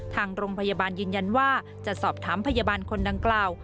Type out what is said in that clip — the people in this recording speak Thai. ทางโรงพยาบาลยืนยันว่าจะสอบถามพยาบาลคนดังกล่าว